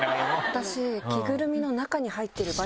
私。